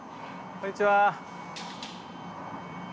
こんにちは。